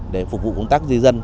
để phục vụ công tác di dân